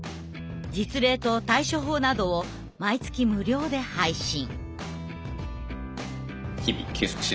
実例と対処法などを毎月無料で配信。